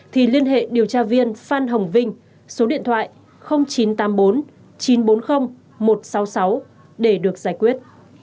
thì liên hệ điều tra viên phan hồng vinh số điện thoại chín trăm tám mươi bốn chín trăm bốn mươi một trăm sáu mươi sáu để được giải quyết